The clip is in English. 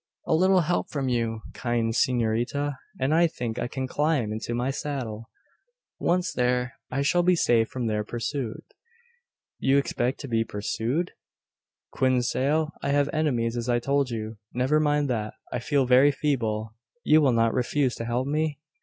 "A little help from you, kind s'norita, and I think I can climb into my saddle. Once there, I shall be safe from their pursuit." "You expect to be pursued?" "Quien sale? I have enemies, as I told you. Never mind that. I feel very feeble. You will not refuse to help me?"